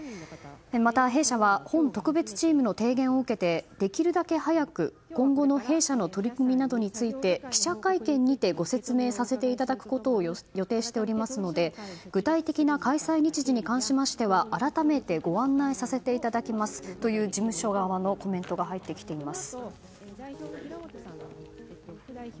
また、弊社は本特別チームの提言を受けてできるだけ早く今後の弊社の取り組みなどについて記者会見にてご説明させていただくことを予定しておりますので具体的な解散日時に関しましては改めてご案内させていただきますという事務所側のコメントが入ってきています。